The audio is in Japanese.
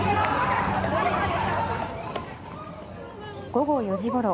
午後４時ごろ